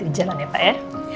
y tubuh tanya tanya